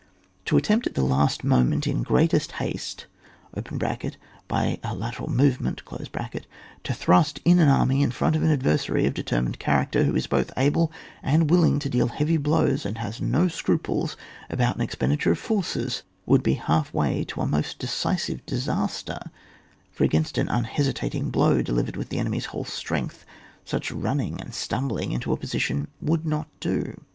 To attempt at the last moment in greatest haste (by a lateral movement) to thrust in an army in frx)nt of an adver sary of determined character, who is both able and willing to deal heavy blows, and has no scruples about an expenditure of forces, would be half way to a most deci sive disaster; for against an unhesitating blow delivered with the enemy's whole strength, such running and stumbling into a position would not do.